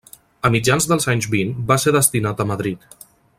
A mitjans dels anys vint va ser destinat a Madrid.